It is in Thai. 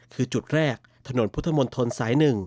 คือจุดแรกถนนพุทธมนตรสาย๑